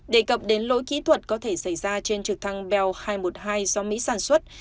đề cập đến lỗi kỹ thuật có thể xảy ra trên trực thăng bel hai trăm một mươi hai do mỹ sản xuất